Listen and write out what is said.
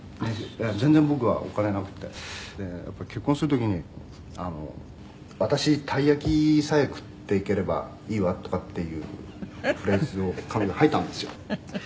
「全然僕はお金なくて」「結婚する時に“私たい焼きさえ食っていければいいわ”とかっていうフレーズを彼女は吐いたんですよ」